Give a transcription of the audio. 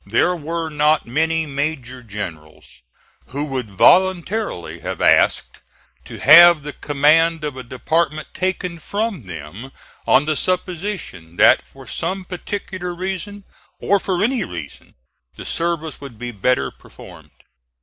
There were not many major generals who would voluntarily have asked to have the command of a department taken from them on the supposition that for some particular reason, or for any reason, the service would be better performed.